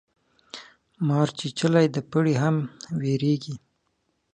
مار چیچلی له پړي هم ویریږي